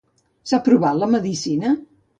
S'ha provat la medicina?